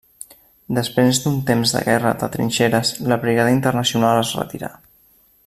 Després d'un temps de guerra de trinxeres, la Brigada Internacional es retirà.